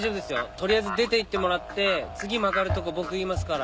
取りあえず出ていってもらって次曲がるとこ僕言いますから。